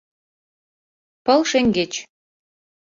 Пыл шеҥгеч